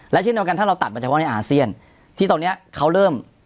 และเช่นเดี๋ยวกันถ้าเราตัดประจำว่าในอาเซียนที่ตอนเนี้ยเขาเริ่ม